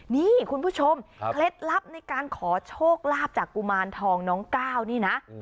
นี่คุณผู้ชมเคล็ดลับในการขอโชคลาภจากกุมารทองน้องก้าวนี่นะ